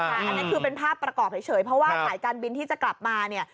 อันนั้นคือเป็นภาพประกอบเฉยเพราะว่าสายการบินที่จะกลับมาเนี่ย